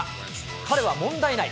彼は問題ない。